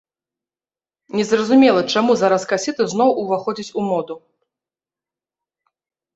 Не зразумела, чаму зараз касеты зноў уваходзяць у моду.